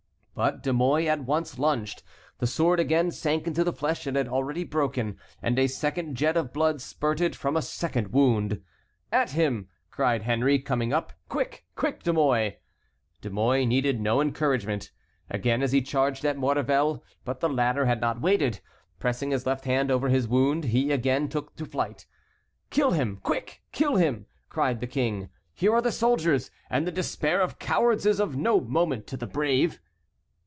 But De Mouy at once lunged. The sword again sank into the flesh it had already broken, and a second jet of blood spurted from a second wound. "At him!" cried Henry, coming up. "Quick, quick, De Mouy!" De Mouy needed no encouragement. Again he charged at Maurevel; but the latter had not waited. Pressing his left hand over his wound, he again took to flight. "Kill him! Quick! Kill him!" cried the king, "here are the soldiers, and the despair of cowards is of no moment to the brave."